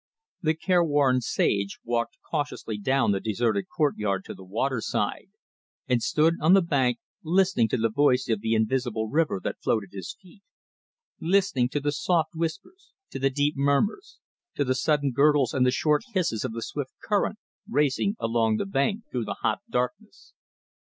The careworn sage walked cautiously down the deserted courtyard to the waterside, and stood on the bank listening to the voice of the invisible river that flowed at his feet; listening to the soft whispers, to the deep murmurs, to the sudden gurgles and the short hisses of the swift current racing along the bank through the hot darkness.